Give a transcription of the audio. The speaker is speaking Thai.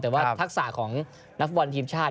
แต่ว่าทักษะของนักฟุตบอลทีมชาติ